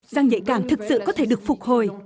răng nhạy càng thực sự có thể được phục hồi